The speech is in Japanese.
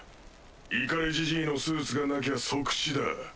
イカレじじいのスーツがなきゃ即死だ。